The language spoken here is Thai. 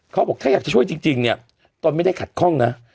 เขาบอกถ้าอยากจะช่วยจริงเนี่ยตนไม่ได้ขัดข้องนะ